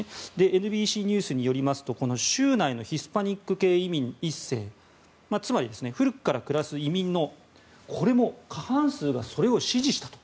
ＮＢＣニュースによりますと州内のヒスパニック系移民１世つまり、古くから暮らす移民のこれも過半数がそれを支持したと。